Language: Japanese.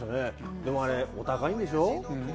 でもあれ、お高いんでしょ？